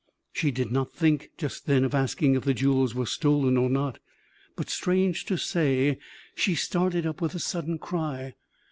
She did not think just then of asking if the jewels were stolen or not; but, strange to say, she started up with a sudden cry.